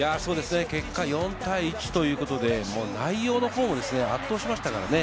結果４対１ということで、内容の方も圧倒しましたからね。